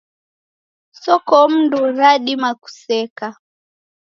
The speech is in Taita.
Sokomndu radima kuseka.